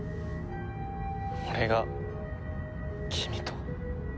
俺が君と？